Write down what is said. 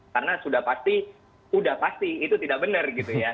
karena sudah pasti itu tidak benar